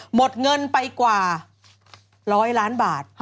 หมดเงินไปกว่า๑๐๐ล้านบาท